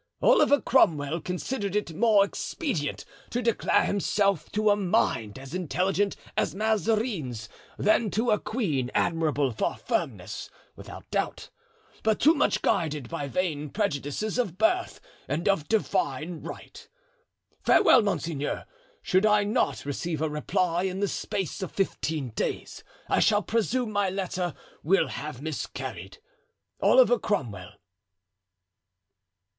Oliver Cromwell considered it more expedient to declare himself to a mind as intelligent as Mazarin's than to a queen admirable for firmness, without doubt, but too much guided by vain prejudices of birth and of divine right. "Farewell, monseigneur; should I not receive a reply in the space of fifteen days, I shall presume my letter will have miscarried. "Oliver Cromwell."